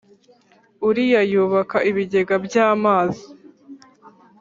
uriya yubaka ibigega by’amazi.